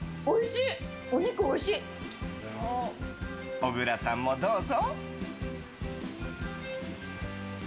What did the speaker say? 小倉さんもどうぞ。